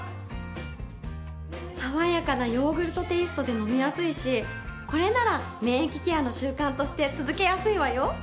爽やかなヨーグルトテイストで飲みやすいしこれなら免疫ケアの習慣として続けやすいわよ。